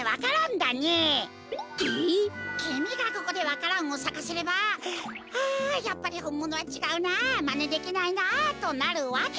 きみがここでわか蘭をさかせれば「ああやっぱりほんものはちがうなあまねできないなあ」となるわけだ。